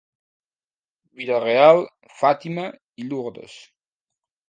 Vila-real, Fàtima i Lourdes.